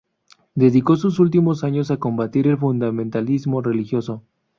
Dedicó sus últimos años a combatir el fundamentalismo religioso.